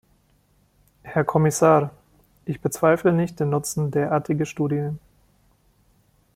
Herr Kommissar, ich bezweifle nicht den Nutzen derartiger Studien.